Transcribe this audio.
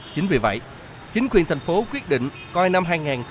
chính vì vậy chính quyền thành phố quyết định coi năm hai nghìn một mươi năm